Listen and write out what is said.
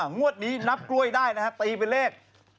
งวดนี้นับกล้วยได้นะฮะตีเป็นเลข